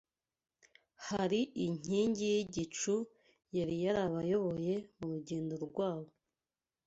hari inkingi y’igicu yari yarabayoboye mu rugendo rwabo